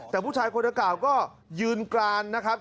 แต่ผู้ชายคนดังกล่าวก็ยืนกรานนะครับ